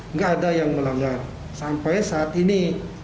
nggak ada yang melanggar sampai saat ini